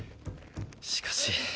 しかし